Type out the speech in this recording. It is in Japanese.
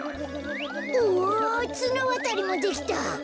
うわつなわたりもできた。